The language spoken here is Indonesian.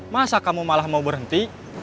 masa kamu malah mau berhenti